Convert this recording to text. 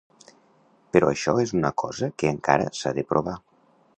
Però això és una cosa que encara s’ha de provar.